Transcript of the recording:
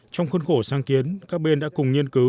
trong khuôn khổ sáng kiến các bên đã cùng nghiên cứu